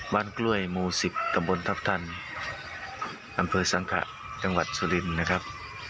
กล้วยหมู่๑๐ตำบลทัพทันอำเภอสังขะจังหวัดสุรินนะครับ